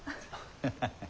ハハハハッ。